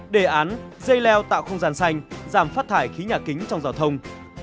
đề án dây leo tạo không gian xanh giảm phát thải khí nhà kính trong giao thông